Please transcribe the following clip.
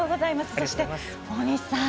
そして、大西さん。